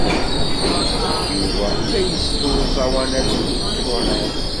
Yuba la isell i uẓawan aliktṛunan.